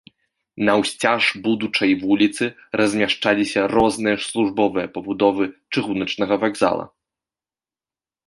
Наўсцяж будучай вуліцы размяшчаліся розныя службовыя пабудовы чыгуначнага вакзала.